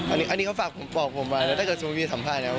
อันนี้เขาฝากผมบอกผมมาแล้วถ้าเกิดสมมุติมีสัมภาษณ์นะครับ